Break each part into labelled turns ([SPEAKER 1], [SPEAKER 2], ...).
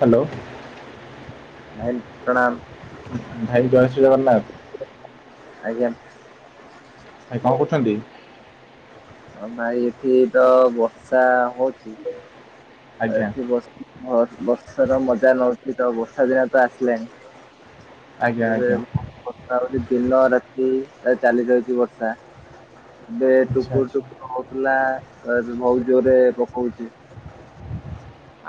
[SPEAKER 1] Hello.
[SPEAKER 2] ନାଇ ପ୍ରଣାମ।
[SPEAKER 1] ଭାଇ ଦୟସ ଜଗନ୍ନାଥ।
[SPEAKER 2] ଆଜ୍ଞା।
[SPEAKER 1] ଭାଇ କଣ କରୁଛନ୍ତି?
[SPEAKER 2] ହଁ ଭାଇ ଏଠି ତ ବର୍ଷା ହଉଚି
[SPEAKER 1] ଆଜ୍ଞା
[SPEAKER 2] ଏଠି ବଷ୍ ବର୍ଷା ର ମଜା ନଉଥିଲି ତ ବର୍ଷା ଦିନ ତ ଆସିଲାଣିି।
[SPEAKER 1] ଆଜ୍ଞା
[SPEAKER 2] ଏବେ
[SPEAKER 1] ଆଜ୍ଞା
[SPEAKER 2] ବର୍ଷା ଦିନ ରାତି ଚାଲି ଯାଉଛି ବର୍ଷା। ଏବେ
[SPEAKER 1] ଆଚ୍ଛା
[SPEAKER 2] ଟୁକୁରୁ
[SPEAKER 1] ଆଚ୍ଛା
[SPEAKER 2] ଟୁକୁର ହଉଥିଲା ବହୁତ ଜୋରେ ପକଉଛି।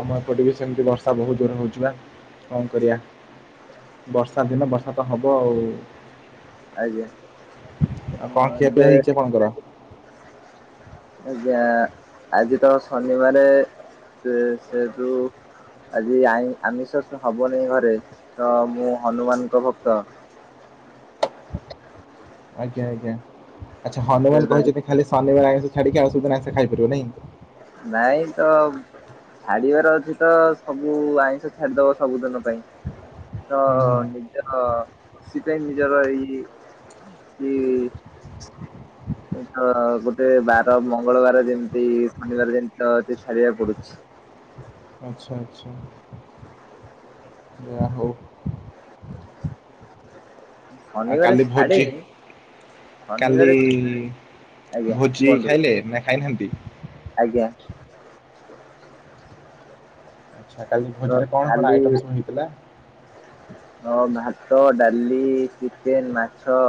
[SPEAKER 1] ଆମ ଏପଟେ ବି ସେମିତି ବର୍ଷା ବହୁତ ଜୋରେ ହୋଉଛି ବା କଣ କରିବା? ବର୍ଷା ଦିନ ବର୍ଷା ତ ହବ ଆଉ।
[SPEAKER 2] ଆଜ୍ଞା।
[SPEAKER 1] ଆଉ କଣ
[SPEAKER 2] ହଁ
[SPEAKER 1] ଖିଆ ପିଆ
[SPEAKER 2] ଏବେ
[SPEAKER 1] ହେଇଛି ଆପଣଙ୍କର? [inaudible]
[SPEAKER 2] ଆଜ୍ଞା ଆଜି ତ ଶନିବାରେ ସେତୁ ଆଜି ଆ ଆମିଷ ହବନି ଘରେ ତ ମୁଁ ହନୁମାନଙ୍କ ଭକ୍ତ।
[SPEAKER 1] ଆଚ୍ଛା ହନୁମାନ
[SPEAKER 2] ସେ
[SPEAKER 1] କହିଛନ୍ତି ଖାଲି ଶନିବାରେ ଆଇଁଷ ଛାଡିକି ଆଉ ସବୁ ବାରେ ଆଇଁଷ ଖାଇପାରିବ ନାଇଁ।
[SPEAKER 2] ନାଇଁ ତ? ଛାଡିବାର ଅଛି ତ ସବୁ ଆଇଁଷ ଛାଡିଦବ ସବୁଦିନ ପାଇଁ। ତ
[SPEAKER 1] ହୁଁ ହୁଁ
[SPEAKER 2] ନିଜର ସେ ସିପାଇଁ ନିଜର ଏଇ [unintelligible] ତ ଗୋଟେ ବାର ମଙ୍ଗଳବାର ଯେମିତି ମାନିବାର ଯେମିତି ତ ଏ ସାରିବାକୁ ପଡୁଛି।
[SPEAKER 1] ଆଚ୍ଛା ଆଚ୍ଛା ଯା ହୋଉ। ଆ
[SPEAKER 2] ଶନିବାର
[SPEAKER 1] କାଲି ଭୋଜି।
[SPEAKER 2] ଛାଡେନି
[SPEAKER 1] କାଲି
[SPEAKER 2] ଶନିବାର ଛା- ଆଜ୍ଞା
[SPEAKER 1] ଭୋଜି
[SPEAKER 2] କୁହନ୍ତୁ
[SPEAKER 1] ଖାଇଲେ ନା ଖାଇନାହାନ୍ତି?
[SPEAKER 2] ଆଜ୍ଞା।
[SPEAKER 1] ଆଛା କାଲି
[SPEAKER 2] ତ
[SPEAKER 1] ଭୋଜିରେ କଣ କଣ
[SPEAKER 2] କାଲି
[SPEAKER 1] ଆଇଟମ୍ ସବୁ ହେଇଥିଲା?
[SPEAKER 2] ହଁ ଭାତ, ଡାଲି, ଚିକେନ, ମାଛ,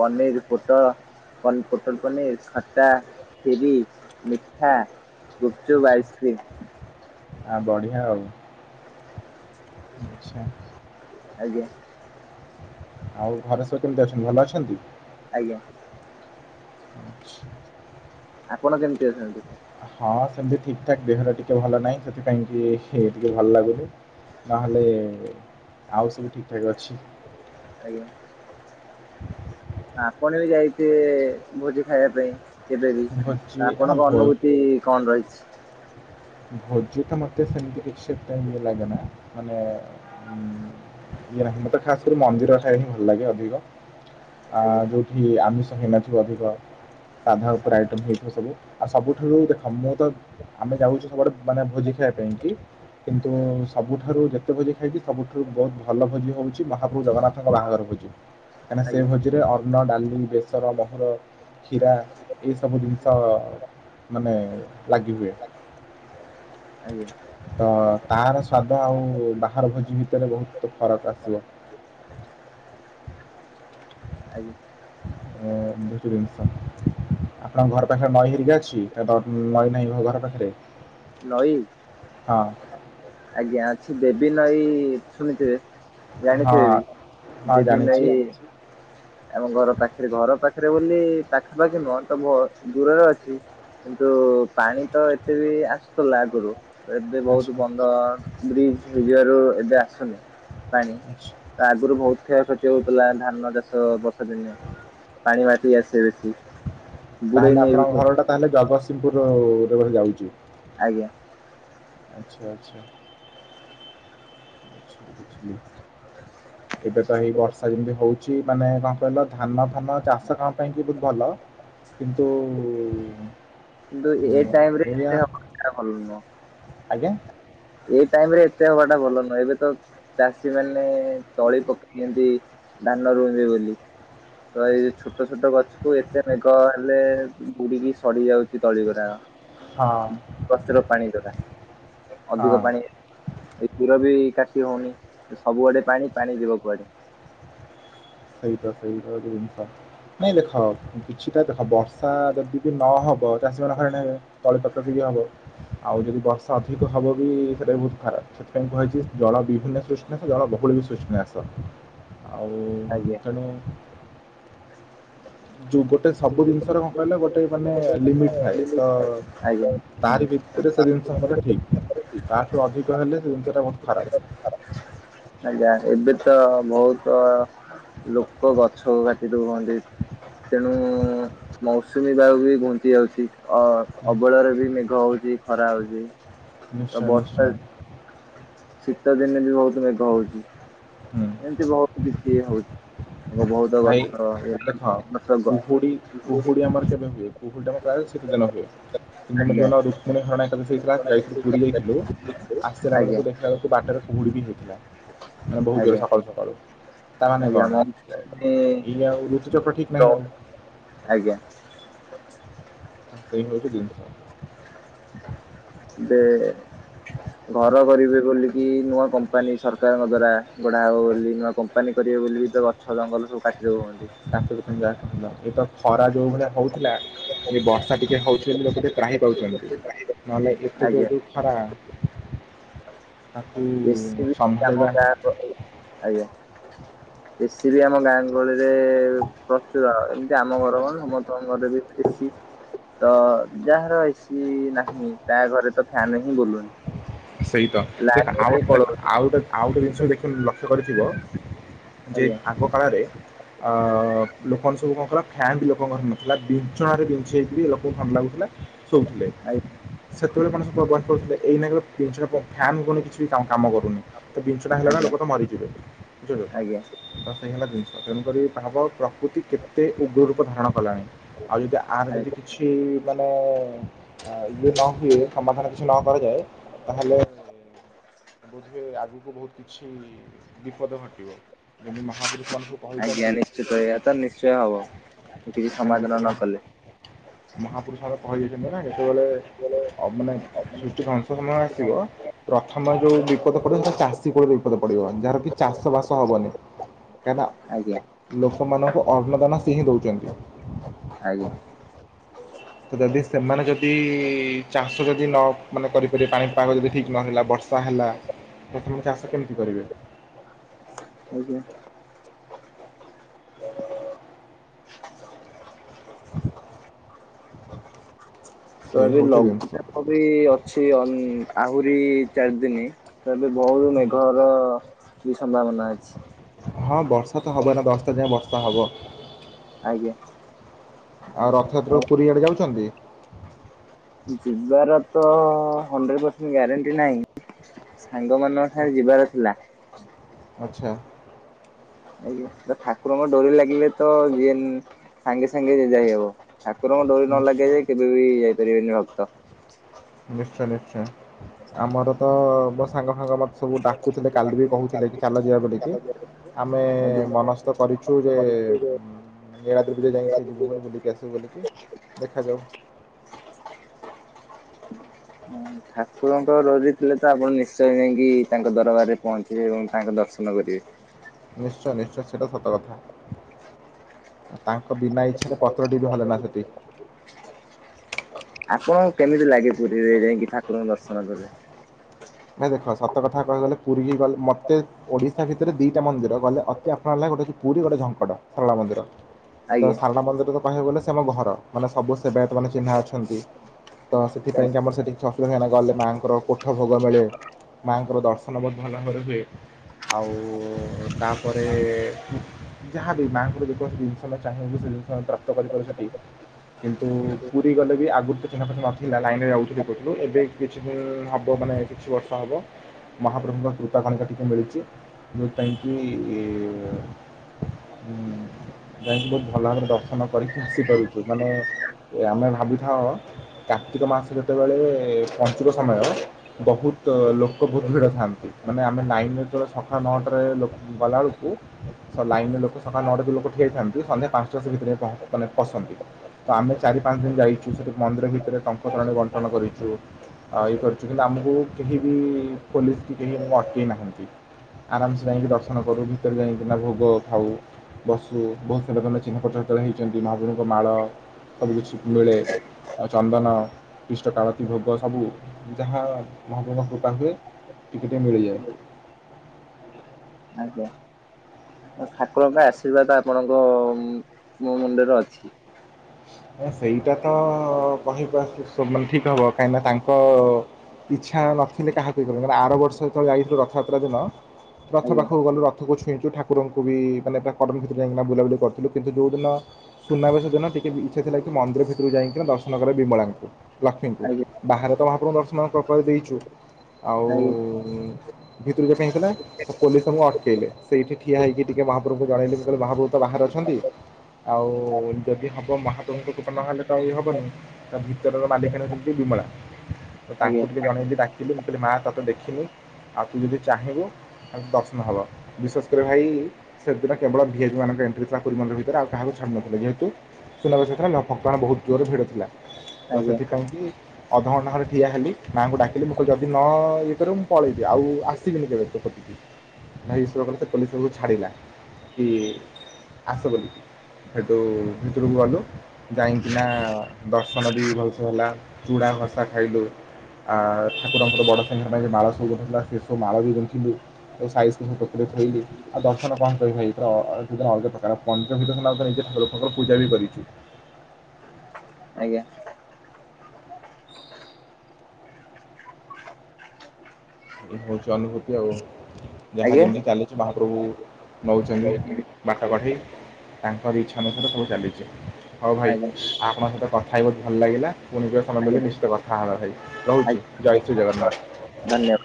[SPEAKER 2] ପନିର, ପୋଟୋଳ। ପଟଲ ପନିର, ଖାଟା, ଖିରି, ମିଠା। ଗୁପ୍ ଚୁପ୍,
[SPEAKER 1] ଆଚ୍ଛା
[SPEAKER 2] ଆଇସ୍କ୍ରିମ୍।
[SPEAKER 1] ଆ ବଢ଼ିଆ ଆଉ। ଆଚ୍ଛା।
[SPEAKER 2] ଆଜ୍ଞା।
[SPEAKER 1] ଆଉ ଘରେ ସବୁ କେମିତି ଅଛନ୍ତି ଭଲ ଅଛନ୍ତି?
[SPEAKER 2] ଆଜ୍ଞା।
[SPEAKER 1] ଆଛା।
[SPEAKER 2] ଆପଣ କେମିତି ଅଛନ୍ତି?
[SPEAKER 1] ହଁ ସେମିତି ଠିକ୍ ଠାକ୍ ଦେହଟା ଟିକେ ଭଲ ନାହିଁ। ସେଥିପାଇଁ କି ଟିକେ ଭଲ ଲାଗୁନି। ନହେଲେ ଆଉ ସବୁ ଠିକ୍ ଠାକ୍ ଅଛି।
[SPEAKER 2] ଆଜ୍ଞା ଆପଣ ବି ଯାଇଥିବେ ଭୋଜି ଖାଇବା ପାଇଁ? କେବେ ବି
[SPEAKER 1] ଭୋଜି ହଁ
[SPEAKER 2] ଆପଣଙ୍କ
[SPEAKER 1] ଭୋ-
[SPEAKER 2] ଅନୁଭୂତି କଣ ରହିଛି?
[SPEAKER 1] ଭୋଜି ତ ମତେ ସେମିତି କିଛି ସେତେ ହେମିତି ଲାଗେନା ମାନେ ଇଏ ନାହିଁ ମତେ ଖାସ କରି ମନ୍ଦିର ଖାଏ ହିଁ ଭଲ ଲାଗେ ଅଧିକ। ଆ
[SPEAKER 2] ଆଜ୍ଞା
[SPEAKER 1] ଯୋଉଠି ଆମିଷ ହେଇନଥିବ ଅଧିକ ସାଧା ଉପରେ ଆଇଟମ ହେଇ ସବୁ ଆଉ ସବୁଠାରୁ ଦେଖ ମୁଁ ତ ଆମେ ଯାଉଛୁ। ଆଉ ଗୋଟେ ମାନେ ଭୋଜି ଖାଇବା ପାଇଁ କି କିନ୍ତୁ ସବୁଠାରୁ ଯେ ଯେତେ ଭୋଜି ଖାଇଚି ସବୁଠାରୁ ବହୁତ ଭଲ ଭୋଜି ହଉଛି ମହାପ୍ରଭୁ ଜଗନ୍ନାଥଙ୍କ ବାହାଘର ଭୋଜି। କାହିଁକିନା ସେ
[SPEAKER 2] ଆଜ୍ଞା
[SPEAKER 1] ଭୋଜିରେ ଅନ୍ନ, ଡାଲି, ବେସର, ମହୁୁର କ୍ଷୀରା ଏଇ ସବୁ ଜିନିଷ ମାନେ ଲାଗି ହୁଏ।
[SPEAKER 2] ଆଜ୍ଞା।
[SPEAKER 1] ତ ତାର ସ୍ଵାଦ ଆଉ ବାହାର ଭୋଜି ଭିତରେ ବହୁତ ଫରକ ଆସିବ।
[SPEAKER 2] ଆଜ୍ଞା।
[SPEAKER 1] ଆଁ ଭିତୁରିନିସ ଆପଣଙ୍କ ଘର ପାଖରେ ନଈ ହେରିକା ଅଛି ନା ନଈ ନାହିଁ ଘର ପାଖରେ।
[SPEAKER 2] ନଈ
[SPEAKER 1] ହଁ
[SPEAKER 2] ଆଜ୍ଞା ଅଛି ଦେବି ନଈ ଶୁଣିଥିବେ?
[SPEAKER 1] ହଁ
[SPEAKER 2] ଜାଣିଥିବେ ବି ଦେବି ନଇ
[SPEAKER 1] ହ
[SPEAKER 2] ଆମ ଘର ପାଖରେ ଘର ପାଖରେ ବୋଲି ପାଖପାଖି ନୁହଁ ତ ଦୂରରେ ଅଛି। କିନ୍ତୁ ପାଣି ତ ଏତେ ବି ଆସୁଥିଲା ଆଗରୁ ଏବେ ବହୁତ
[SPEAKER 1] ଆଚ୍ଛା
[SPEAKER 2] ବନ୍ଧ ବ୍ରିଜ ହେଇଯିବାରୁ ଏବେ ଆସୁନି ପାଣି।
[SPEAKER 1] ଆଛା।
[SPEAKER 2] ତା ଆଗରୁ ବହୁତ କ୍ଷୟ କ୍ଷତି ହଉଥିଲା ଧାନ ଚାଷ ବର୍ଷା ଦିନେ ପାଣି ମାଟି ଆସେ ବେଶି।
[SPEAKER 1] ତାହେଲେ ଆପଣଙ୍କ ଘରଟା ତାହେଲେ ଜଗତସିଂହପୁର ରୋରେ ଯାଉଛି।
[SPEAKER 2] ଆଜ୍ଞା।
[SPEAKER 1] ଆଛା ଆଛା। ଏବେ ତ ହେଇ ବର୍ଷା ଯେମିତି ହୋଉଚି ମାନେ କଣ କହିଲ ଧାନ ଫାନ ଚାଷ କାମ ପାଇଁ କି କିନ୍ତୁ ଭଲ। କିନ୍ତୁ
[SPEAKER 2] କିନ୍ତୁ ଏ
[SPEAKER 1] ଉଁ,
[SPEAKER 2] ଟାଇମରେ
[SPEAKER 1] ଏଇଆ
[SPEAKER 2] [inaudible] ହବ ଭଲ ନୁହଁ।
[SPEAKER 1] ଆଜ୍ଞା।
[SPEAKER 2] ଏଇ ଟାଇମରେ ଏତେ ହବା ଟା ଭଲ ନୁହଁ। ଏବେ ତ ଚାଷୀ ମାନେ ତଳି ପକେଇଚନ୍ତି। ଧାନ ରୁଇବେ ବୋଲିି। ତ ଏଇ ଯୋ ଛୋଟ ଛୋଟ ଗଛକୁ ଏତେ ମେଘ ହେଲେ ବୁଡିକି ସଡି ଯାଉଚି ତଳି
[SPEAKER 1] ହଁ
[SPEAKER 2] ଗୁଡାକ। ବସ୍ତିର ପାଣି ଯୋଉଟା। ଅଧିକ
[SPEAKER 1] ହଁ
[SPEAKER 2] ପାଣି ଏ ହିଡ ବି କାଟି ହଉନି ସବୁଆଡେ ପାଣି ପାଣି ଯିବ କୁଆଡେ?
[SPEAKER 1] ସେଇତ ସେଇତ ଗୋଟେ ଜିନିଷ। ନାଇଁ ଦେଖ କିଛିଟା ଦେଖ ବର୍ଷା ଯଦି ବି ନହବ ଚାଷୀମାନେ ହଇରାଣ ହେବେ। ତଳି ପଟକ ବି ହବ ଆଉ ଯଦି ବର୍ଷା ଅଧିକ ହବ ବି ସେଟା ବି ବହୁତ ଖରାପ। ସେଥିପାଇଁ କୁହାଯାଇଛି ଜଳ ବିହୁନେ ସୃଷ୍ଟିନାଶ ଜଳ ବହୁଳେ ବି ସୃଷ୍ଟିନାଶ ଆଉ
[SPEAKER 2] ଆଜ୍ଞା
[SPEAKER 1] ତେଣୁ ଯୋଉ ଗୋଟେ ସବୁ ଜିନିଷରେ କଣ କହିଲେ ଗୋଟେ ମାନେ ଲିମିଟ ଥାଏ ତ
[SPEAKER 2] ଆଜ୍ଞା
[SPEAKER 1] ତାରି ଭିତରେ ସେ ଜିନିଷ ହବଟା ଠିକ ତାଠୁ ଅଧିକ ହେଲେ ସେ ଜିନିଷ ଟା ବୋହୁତ ଖରାପ।
[SPEAKER 2] ଆଜ୍ଞା ଏବେ ତ ବହୁତ ଲୋକ ଗଛ କାଟି ଦଉଛନ୍ତି ତେଣୁ ମୌସୁମୀ ବାୟୁ ବି ଘୁଞ୍ଚି ଯାଉଛି ଅ ଅବଲାରେ ବି ମେଘ ହଉଛି ଖରା ହଉଛି।
[SPEAKER 1] ନିଶ୍ଚୟ ନିଶ୍ଚୟ।
[SPEAKER 2] ଶୀତଦିନେ ବି ବହୁତ ମେଘ ହେଉଛି।
[SPEAKER 1] ହୁଁ
[SPEAKER 2] ଏମତି ବୋହୁତ କିଛି ହୋଉଚି। ବହୁତ
[SPEAKER 1] ଭାଇ
[SPEAKER 2] ଗଛ
[SPEAKER 1] ଦେଖ
[SPEAKER 2] ବହୁତ୍ ବା
[SPEAKER 1] [inaudible] ପ୍ରାୟତଃ ଶୀତଦିନେ ହୁଏ। କିନ୍ତୁ ଆମେ
[SPEAKER 2] ଆଜ୍ଞା
[SPEAKER 1] ଯେଉଁନ ରୁକ୍ମଣୀ ହରଣ ଏକାଦଶୀ ହେଇଥିଲା ଯାଇଥିଲୁ ପୁରୀ ଯାଇଥିଲୁ ଆସିଲା
[SPEAKER 2] ଆଜ୍ଞା
[SPEAKER 1] ବେଳକୁ ଦେଖିଲା ବାଟରେ କୁହୁଡ଼ି ବି ଦେଖିଲା ମାନେ ବହୁତ ଜୋର
[SPEAKER 2] ଆଜ୍ଞା
[SPEAKER 1] ସକାଳୁ ସକାଳୁ ତାମାନେ
[SPEAKER 2] ଆଜ୍ଞା
[SPEAKER 1] କଣ?
[SPEAKER 2] ମାନେ
[SPEAKER 1] ଇ ଆଉ ଋତୁ ଚପା ଠିକ
[SPEAKER 2] ତ
[SPEAKER 1] ନାହିଁ ଆଉ।
[SPEAKER 2] ଆଜ୍ଞା।
[SPEAKER 1] ସେଇ ହଉଛି ଜିନିଷ।
[SPEAKER 2] ଯେ ଘର କରିବେ ବୋଲିକି ନୂଆ କମ୍ପାନୀ ସରକାରଙ୍କ ଦ୍ଵାରା ଗଢା ହେବ ବୋଲି ନୂଆ କମ୍ପାନୀ କରିବେ ବୋଲି କି ତ ଗଛ ଜଙ୍ଗଲ ସବୁ କାଟି ଦଉଛନ୍ତି।
[SPEAKER 1] ଡାକ୍ତର [unintelligible] ଖରା ଯେଉଁ ଭଳିଆ ହେଉଥିଲା। ବର୍ଷା ଟିକେ ହଉଛି ବୋଲି ଲୋକ ଟିକେ ତ୍ରାହି ପାଉଚନ୍ତି। ନହେଲେ ଏତେ
[SPEAKER 2] ଆଜ୍ଞା
[SPEAKER 1] ଯଉଦ ଖରା। ତାକୁ
[SPEAKER 2] ଏସି ବି ଆମ
[SPEAKER 1] ସମ୍ଭାଳିବା।
[SPEAKER 2] ଗାଁ ଗ- ଆଜ୍ଞା ବେଶୀ ବି ଆମ ଗାଁ ଗହଳିରେ ପ୍ରଚୁର ଏମିତି ଆମ ଘର କ ସମସ୍ତଙ୍କ ଘରେ ବି ଏସି ତ ଯାହାର ଏସି ନାହିଁ ତା ଘରେ ତ ଫ୍ୟାନ ହିଁ ବୁଲୁନି।
[SPEAKER 1] ସେଇତ ଦେଖ
[SPEAKER 2] ଲାଇନ
[SPEAKER 1] ଆଉ
[SPEAKER 2] ବି
[SPEAKER 1] ଦେଖ
[SPEAKER 2] ପଳଉଛି
[SPEAKER 1] ଆଉ ଗୋଟେ ଆଉ ଗୋଟେ ଜିନିଷ ଦେଖିଥିବ ଲକ୍ଷ୍ୟ କରିିଥିବ ଯେ
[SPEAKER 2] ଆଜ୍ଞା
[SPEAKER 1] ଆଗ ଫଳରେ ଅ ଲୋକ ମାନେ ସବୁ କଣ କଳ ଫ୍ୟାନ୍ ବି ଲୋକଙ୍କ ଘର ନଥିଲା ବିଞ୍ଚଣାରେ ବିଞ୍ଚିହେଇକିରି ଲୋକଙ୍କୁ ଭଲ ଲାଗୁଥିଲା ଶୋଉଥିଲେ।
[SPEAKER 2] ହାଏ
[SPEAKER 1] ସେତେବେଳେ କଣ ସବୁ ଭଗବାନ କରୁଥିଲେ ଏଇନା କଣ ବିଞ୍ଚଣା ପବନ, ଫ୍ୟାନ ପବନ କିଛି କି କାମ କରୁନି ତ ବିଞ୍ଚଣା ହେଲା ନା
[SPEAKER 2] ଆଜ୍ଞା
[SPEAKER 1] ଲୋକ ତ ମରିଯିବେ ବୁଝିପାରୁଛ ତ?
[SPEAKER 2] ଆଜ୍ଞା
[SPEAKER 1] ତ ସେଇ ହେଲା ଜିନିଷ ତେଣୁକରି ଭାବ ପ୍ରକୃତି କେତେ ଉଗ୍ର ରୂପ ଧାରଣ କଲାଣି। ଆଉ ଯଦି ଆର
[SPEAKER 2] ଆଜ୍ଞା
[SPEAKER 1] ଯଦି କିଛି ମାନେ ଇଏ ନ ହୁଏ ସମାଧାନ କିଛି ନ କରାଯାଏ ତାହେଲେ ବୋଧେ ହୁଏ ଆଗକୁ ବହୁତ କିଛି ବିପଦ ଘଟିବ ଯେମିତି ମହାପୁରୁଷ ମାନକୁ
[SPEAKER 2] ଆଜ୍ଞା
[SPEAKER 1] କହିଛନ୍ତି
[SPEAKER 2] ହେତିକି
[SPEAKER 1] କାହିଁକିନା ଯେତେ
[SPEAKER 2] ସମାଧାନ ନ କଲେ
[SPEAKER 1] ମହାପୁରୁଷ ମାନେ କହିଯାଇଛନ୍ତି ନା ଯେତେବେଳେ ମାନେ ସୃଷ୍ଟିଂ ଧ୍ୱଂସ ସମୟ ଆସିବ ପ୍ରଥମେ ଯୋଉ ବିପଦ ପଡିବ ସେ ଚାଷୀ ଉପରେ ବିପଦ ପଡିବ ଯାହାରକି ଚାଷ ବାସ ହବନି କାହିଁ ନା
[SPEAKER 2] ଆଜ୍ଞା
[SPEAKER 1] ଲୋକମାନଙ୍କୁ ଅର୍ନଦାନ ସେ ହିଁ ଦଉଛନ୍ତି।
[SPEAKER 2] ଆଜ୍ଞା।
[SPEAKER 1] ତ ଯଦି ସେମାନେ ଯଦି ଚାଷ ଯଦି ନ କରିପାରିବେ ପାଣିପାଗ ଯଦି ଠିକ ନହେଲା ବର୍ଷା ଚା ହେଲା ପ୍ରଥମେ ଚାଷ କେମିତି କରିବେ?
[SPEAKER 2] ଆଜ୍ଞା।
[SPEAKER 1] ସେ
[SPEAKER 2] ତ ଆଜି
[SPEAKER 1] ହେଉଛି ଜିନିଷ
[SPEAKER 2] ଲଘୁଚାପ ବି ଅ ଅଛି ଆହୁରି ଚାରି ଦିନି ତ ଏବେ ବହୁତ ମେଘର କି ସମ୍ଭାବନା ଅଛି?
[SPEAKER 1] ହଁ ବର୍ଷା ତ ହବ ନା ଦଶଟା ଯାଏ ବର୍ଷା ହବ।
[SPEAKER 2] ଆଜ୍ଞା।
[SPEAKER 1] ଆଉ ରଥଯାତ୍ରା
[SPEAKER 2] ଆଉ
[SPEAKER 1] କୁ ପୁରୀ ଆଡେ ଯାଉଛନ୍ତି?
[SPEAKER 2] ଯିବାର ତ ହଣ୍ଡ୍ରେଡ଼୍ ପରସେଣ୍ଟ୍ ଗ୍ୟାରେଣ୍ଟି ନାହିଁ। ସାଙ୍ଗମାନଙ୍କ ସାଙ୍ଗେ ଯିବାର ଥିଲା।
[SPEAKER 1] ଆଚ୍ଛା।
[SPEAKER 2] ଆଜ୍ଞା ଠାକୁରଙ୍କ ଡୋରି ଲାଗିଲେ ତ ଯିଏ ସାଙ୍ଗେ ସାଙ୍ଗେ ଯାଇହବ। ଠାକୁରଙ୍କ ଡୋରି ନ ଲାଗିବା
[SPEAKER 1] ନିଶ୍ଚୟ
[SPEAKER 2] ଯାଏ କେବେ ବି ଯାଇପାରିବେନି ଭକ୍ତ।
[SPEAKER 1] ନିଶ୍ଚୟ ନିଶ୍ଚୟ। ଆମର ତ ମୋ ସାଙ୍ଗ ଫାଙ୍ଗ ମୋତେ ସବୁ ଡାକୁଥିଲେ କାଲି ବି କହୁଥିଲେ କି ଚାଲ ଯିବା ବୋଲିକି। ଆମେ
[SPEAKER 2] ଆଜ୍ଞା।
[SPEAKER 1] ମନସ୍ଥ କରିଛୁ ଯେ ନୀଳାଦ୍ରି ବିଜେ ଯାଇଁକି ଯିବୁ ବୋଲି ବୁଲିକି ଆସିବୁ ବୋଲିକି ଦେଖାଯାଉ।
[SPEAKER 2] ଠାକୁରଙ୍କ ଡୋରି ଥିଲେ ତ ଆପଣ ନିଶ୍ଚୟ ଯାଇଁକି ତାଙ୍କ ଦରବାରରେ ପହଞ୍ଚିକି ତାଙ୍କ ଦର୍ଶନ କରିବେ।
[SPEAKER 1] ନିଶ୍ଚୟ ନିଶ୍ଚୟ ସେଇଟା ସତକଥା। ତାଙ୍କ ବିନା ଇଚ୍ଛାରେ ପତ୍ର ଟିଏ ବି ହଲେନା ସେଠି।
[SPEAKER 2] ଆପଣଙ୍କୁ କେମିତି ଲାଗେ ପୁରୀରେ ଯାଇଁକି ଠାକୁରଙ୍କୁ ଦର୍ଶନ କଲେ?
[SPEAKER 1] ଭାଇ ଦେଖ ସତ କଥା କହିବାକୁ ଗଲେ ପୁରୀକି ଗଲେ ମତେ ଓଡ଼ିଶା ଭିତରେ ଦିଟା ମନ୍ଦିର ଗଲେ ଅତି ଆପଣରା ଲାଗେ ଗୋଟେ ହଉଛି ପୁରୀ ଗୋଟେ ଝଙ୍କଡ଼ ସାରଳା ମନ୍ଦିର। ତ
[SPEAKER 2] ଆଜ୍ଞା
[SPEAKER 1] ସାରଳା ମନ୍ଦିରରେ କହିବାକୁ ଗଲେ ସେ ଆମ ଘର ମାନେ ସବୁ ସେବାୟତ ମାନେ ଚିହ୍ନା ଅଛନ୍ତି। ତ ସେଥିପାଇଁ କି ଆମର ସେଠି କିଛି ଅସୁବିଧା ହେଲା ଗଲେ ମାଆଙ୍କର କୋଠ ଭୋଗ ମିଳେ। ମାଆଙ୍କର ଦର୍ଶନ ବହୁତ୍ ଭଲ ଭାବରେ ହୁଏ। ଆଉ ତାପରେ ଯାହାବି ମାଆଙ୍କର ଯେକୌଣସି ଜିନିଷ ଟା ଚାହିଁଲେ ସେ ଜିନିଷ ପ୍ରାପ୍ତ କରିପାରୁ ସେଠି। କିନ୍ତୁ ପୁରୀ ଗଲେ ବି ଆଗୁରୁ ତ ଚ଼ିହ୍ନାପର୍ଚ ନଥିଲା। ଲାଇନରେ ଆଉଥିଲୁ ଇଏ କରୁଥିଲୁ। ଏବେ କିଛି ଦିନ ହେବ ମାନେ କିଛି ବର୍ଷ ହବ। ମହାପ୍ରଭୁଙ୍କ କୃପା କାମକା ଟିକେ ମିଳିଚି। ଯୋଉଥିପାଇଁ କିି ହୁଁ ଯାଇଁକି ବହୁତ ଭଲ ଭାବରେ ଦର୍ଶନ କରିକି ଆସିପାରୁଚୁ ମାନେ ଆମେ ଭାବିଥାଉ କାର୍ତ୍ତିକ ମାସ ଯେତେବେଳେ ପଞ୍ଚୁକ ସମୟ ବହୁତ୍ ଲୋକ ବହୁତ୍ ଭିଡ଼ ଥାନ୍ତି ମାନେ ଆମେ ନାଇନ୍ ରେ ଯେତେବେଳେ ସକାଳ ନଅଟାରେ ଗଲାବେଳୁକୁ ସ ଲାଇନ ରେ ଲୋକ ସକାଳ ନଅଟାରେ ଯେଦି ଲୋକ ଠିଆହେଇଥାନ୍ତି ସନ୍ଧ୍ୟା ପାଞ୍ଚଟା ରେ ସେ ଭିତରେ ପହଞ୍ଚ ମାନେ ପଶନ୍ତି। ତ ଆମେ ଚାରି ପାଞ୍ଚ ଦିନ ଯାଇଛୁ। ସେଠି ମନ୍ଦିର ଭିତରେ ଟଙ୍କ ତୋରାଣୀ ବଣ୍ଟନ କରିଛୁ ଆ ଇଏ କରିଚୁ। କିନ୍ତୁ ଆମକୁ କେହି ବି ପୋଲିସ କି କେହି ଆମୁକୁ ଅଟକେଇ ନାହାଁନ୍ତି। ଆରାମ୍ ସେ ଯାଇଁକି ଦର୍ଶନ କରୁ। ଭିତରେ ଯାଇଁକିିନା ଭୋଗ ଖାଉ। ବସୁ। ବହୁତ୍ ସୁନ୍ଦର ସୁନ୍ଦର ଚିହ୍ନପତ୍ର ତେୟା ହେଇଚନ୍ତି ମହାପ୍ରଭୁଙ୍କ ମାଳ ସବୁ କିଛି ମିଳେ ଆଉ ଚନ୍ଦନ ଇଷ୍ଟ କାଳତି ଭୋଗ ସବୁ ଯାହା ମହାପ୍ରଭୁଙ୍କ କୃପା ହୁଏ ଟିକେଟେ ମିଳିଯାଏ।
[SPEAKER 2] ଆଜ୍ଞା। ଠାକୁରଙ୍କ ଆଶୀର୍ବାଦ ଆପଣଙ୍କ ମୋ ମୁଣ୍ଡରେ ଅଛି।
[SPEAKER 1] ସେଇଟା ତ କହିବା ସେ ମାନେ ଠିକ୍ ହବ କାହିଁକିନା ତାଙ୍କ ଇଚ୍ଛା ନଥିଲେ କାହାକୁ କହିବ ନ ହେଲେ ଆର ବର୍ଷ ଯେତବେଳେ ଯାଇଥିଲୁ ରଥଯାତ୍ରା ଦିନ ରଥ
[SPEAKER 2] ଆଜ୍ଞା
[SPEAKER 1] ପାଖକୁ ଗଲୁ। ରଥକୁ ଛୁଇଁଚୁ। ଠାକୁରଙ୍କୁ ବି ମାନେ ପୁରା କଲୋନୀ ଭିତରେ ଯାଇଁକିନା ବୁଲାବୁଲି କରିଥିଲୁ। କିନ୍ତୁ ଯୋଉ ଦିନ ସୁନାବେଶ ଦିନ ଟିକେ ବି ଇଚ୍ଛା ଥିଲା କି ମନ୍ଦିର ଭିତୁରୁକୁ ଯାଇଁକିନା ଦର୍ଶନ କର ବିମଳାଙ୍କୁ। ଲକ୍ଷ୍ମୀଙ୍କୁ।
[SPEAKER 2] ଆଜ୍ଞା
[SPEAKER 1] ବାହାରେ ତ ମହାପ୍ରଭୁଙ୍କ ଦର୍ଶନଙ୍କପ ଦେଇଛୁ ଆଉ
[SPEAKER 2] ଆଜ୍ଞା
[SPEAKER 1] ଭିତରୁକୁ ଏଥିପାଇଁ ଥିଲା। ପୋଲିସ ଆମୁକୁ ଅଟକେଇଲେ। ସେଇଠି ଠିଆ ହେଇକି ଟିକେ ମହାପ୍ରଭୁଙ୍କୁ ଜଣେଇଲେ ଯେତବେଳେ ମହାପ୍ରଭୁ ତ ବାହାରେ ଅଛନ୍ତି। ଆଉ ଯଦି ହବ ମହା ତୁମୁକୁ ଟୁକନ୍ ନ ହେଲେ ତ ଇଏ ହବନି ତା ଭିତର ର ମାଲିକାଣୀ ହଉଚନ୍ତି ବିମଳା। ତାଙ୍କୁ ଟିକେ ଜଣେଇଲି ଡାକିଲି ମୁଁ କହିଲି ମା ତତେ ଦେଖିନି ଆଉ ତୁ ଯଦି ଚାହିଁବୁ ତାହେଲେ ଦର୍ଶନ ହବ। ବିଶେଷ କରି ଭାଇ ସେଦିନ କେବଳ ଭି ଆଇ ପି ମାନଙ୍କ ଏଣ୍ଟ୍ରି ଥିଲା ପୁରୀ ମନ୍ଦିର ଭିତରେ, ଆଉ କହାକୁ ଛାଡ଼ୁନଥିଲେ ଯେହେତୁ ସୁନାବେଶ ହେଇଥିଲା [unintelligible] ବହୁତ ଜୋରରେ ଭିଡ଼ ଥିଲା, ତ
[SPEAKER 2] ଆଜ୍ଞା ଆଜ୍ଞା
[SPEAKER 1] ସେଥିପାଇଁକି ଅଧଘଣ୍ଟା ଘଣ୍ଟେ ଠିଆ ହେଲି ମାଆଙ୍କୁ ଡାକିଲି, ମୁକଇଲି ଯଦି ନ ଇଏ କରିବୁ, ମୁଁ ପଳେଇବି ଆଉ ଆସିବିନି କେବେ ତୋ କତିକି? ଭାଇ ଇଶର [unintelligible] ଛାଡିଲା। କି-ଇ ଆସ ବୋଲି। ହେଠୁ ଭିତୁରୁକୁ ଗଲୁ। ଯାଇକିନା ଦର୍ଶନ ବି ଭଲ୍ ସେ ହେଲା। ଚୁଡ଼ା ଘସା ଖାଇଲୁ। ଆ ଠାକୁରଙ୍କର ବଡ଼ ସିଙ୍ଗାର ପାଇଁ ମାଳ ସବୁ ଗୁନ୍ଥୁଲା ସେ ସବୁ ମାଳ ବି ଗୁନ୍ଥିଲୁ। ତାକୁ ସାଇଜ୍ କିନି ପତ୍ରରେ ଥୋଇଲି। ଆଉ ଦର୍ଶନ କଣ କହିବ ଭାଇ! ପୁରା ଅଲଗା ଅଲଗା ପ୍ରକାର ପଞ୍ଚ [unintelligible] ନିଜେ ଲୋକଙ୍କର ପୂଜା ବି କରିଛୁ।
[SPEAKER 2] ଆଜ୍ଞା।
[SPEAKER 1] ହୁଁ ଏ ହଉଛି ଅନୁଭୂତି ଆଉ। ଯାହା
[SPEAKER 2] ଆଜ୍ଞା
[SPEAKER 1] ଯେମତି ଚାଲି ଚି ମହାପ୍ରଭୁ ନଉଚନ୍ତି
[SPEAKER 2] ଆଜ୍ଞା
[SPEAKER 1] ବାଟ କଢ଼େଇ ତାଙ୍କରି ଇଚ୍ଛା ଅନୁସାରେ ସବୁ ଚାଲିଛି। ହଉ ଭାଇ! ଆଉ ଆପଣଙ୍କ ସହିତ କଥା ହେଇ ବହୁତ ଭଲ ଲାଗିଲା। ପୁଣି କେବେ ସମୟ ମିିଳିଲେ
[SPEAKER 2] ଆଜ୍ଞା ଆଜ୍ଞା
[SPEAKER 1] ନିଶ୍ଚିତ କଥା ହେବା ଭାଇ? ରହୁଛି। ଜୟ ଶ୍ରୀ ଜଗନ୍ନାଥ।
[SPEAKER 2] ଧନ୍ୟବା